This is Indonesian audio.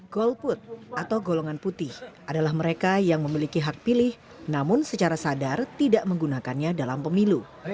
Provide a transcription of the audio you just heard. golput atau golongan putih adalah mereka yang memiliki hak pilih namun secara sadar tidak menggunakannya dalam pemilu